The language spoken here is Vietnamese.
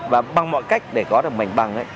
và bằng mọi cách để có được mảnh bằng